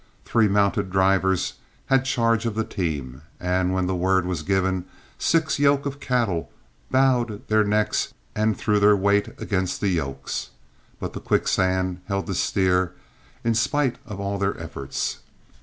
Three mounted drivers had charge of the team, and when the word was given six yoke of cattle bowed their necks and threw their weight against the yokes; but the quicksand held the steer in spite of all their efforts.